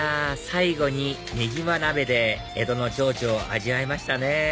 最後にねぎま鍋で江戸の情緒を味わえましたね